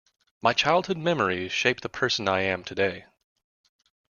My childhood memories shaped the person I am today.